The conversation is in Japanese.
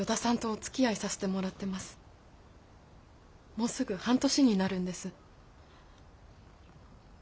もうすぐ半年になるんです。